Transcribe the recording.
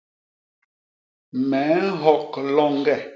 Me nhok loñge.